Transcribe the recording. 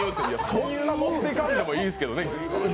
そんな持ってかんでもいいですけどね。